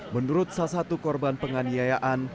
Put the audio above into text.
menurut salah satu korban penganiayaan